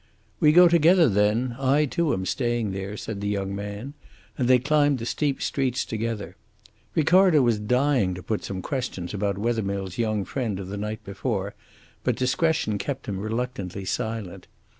"We go together, then. I, too, am staying there," said the young man, and they climbed the steep streets together. Ricardo was dying to put some questions about Wethermill's young friend of the night before, but discretion kept him reluctantly silent.